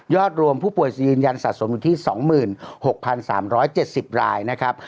รวมผู้ป่วยจะยืนยันสะสมอยู่ที่๒๖๓๗๐รายนะครับ